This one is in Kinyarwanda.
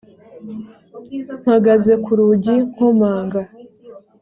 mpagaze ku rugi nkomanga